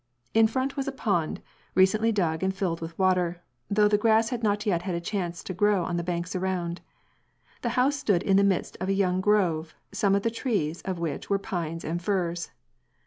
In front was a pond, recently dug and filled with water, though the grass had not yet had a chance to grow on the banks around ; the house stood in the midst of a young grove, some of the trees of which were pines and firs.